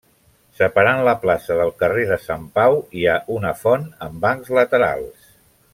Separant la plaça del carrer de Sant Pau hi ha una font amb bancs laterals.